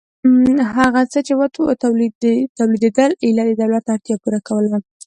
هغه څه چې تولیدېدل ایله د دولت اړتیا پوره کوله